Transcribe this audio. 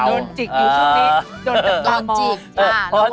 โดนจิกอยู่ช่วงนี้โดนจิก